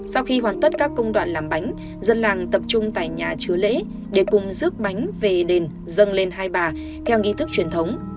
sau khi hoàn tất các công đoạn làm bánh dân làng tập trung tại nhà chứa lễ để cùng rước bánh về đền dâng lên hai bà theo nghi thức truyền thống